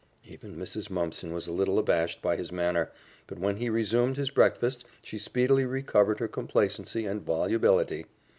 Even Mrs. Mumpson was a little abashed by his manner, but when he resumed his breakfast she speedily recovered her complacency and volubility.